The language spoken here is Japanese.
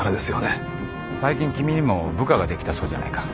最近君にも部下ができたそうじゃないか。